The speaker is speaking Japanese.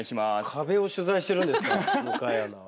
壁を取材してるんですか向井アナは。